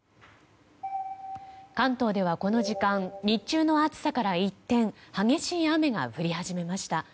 関東では、この時間日中の暑さから一転激しい雨が降り始めました。